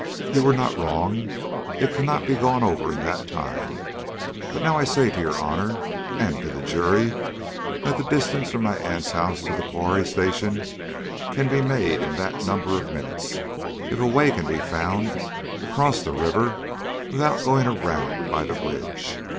You were not wrong. It cannot be gone over in that time. But I now say to your Honor and to the jury, that the distance from my aunt's house to the Quarry Station can be made in that number of minutes if a way can be found to cross the river without going around by the bridge.